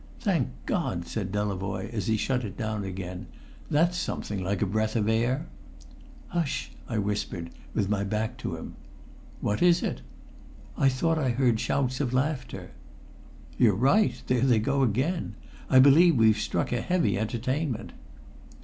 "Thank God!" said Delavoye as he shut it down again. "That's something like a breath of air!" "Hush!" I whispered with my back to him. "What is it?" "I thought I heard shouts of laughter." "You're right. There they go again! I believe we've struck a heavy entertainment."